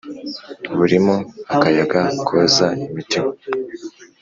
burimo akayaga koza imitima